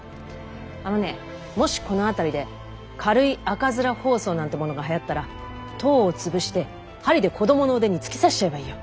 あのねもしこの辺りで軽い赤面疱瘡なんてものがはやったら痘を潰して針で子どもの腕に突き刺しちゃえばいいよ。